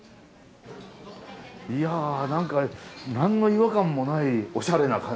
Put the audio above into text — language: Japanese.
いや何か何の違和感もないおしゃれな感じが。